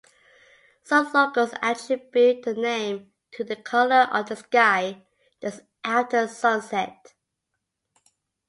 Some locals attribute the name to the colour of the sky just after sunset.